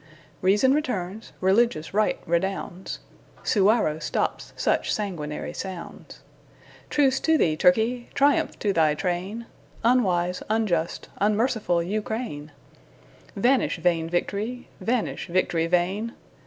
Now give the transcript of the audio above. Reason returns, religious right redounds, Suwarrow stops such sanguinary sounds. Truce to thee, Turkey! Triumph to thy train, Unwise, unjust, unmerciful Ukraine! Vanish vain victory! vanish, victory vain!